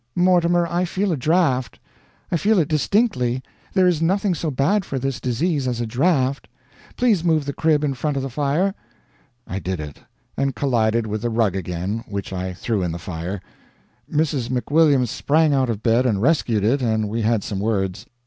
"Mortimer, I feel a draft. I feel it distinctly. There is nothing so bad for this disease as a draft. Please move the crib in front of the fire." I did it; and collided with the rug again, which I threw in the fire. Mrs. McWilliams sprang out of bed and rescued it and we had some words.